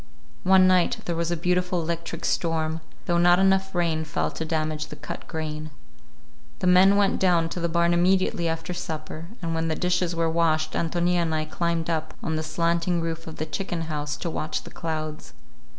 One night there was a beautiful electric storm, though not enough rain fell to damage the cut grain. The men went down to the barn immediately after supper, and when the dishes were washed Ántonia and I climbed up on the slanting roof of the chicken house to watch the clouds.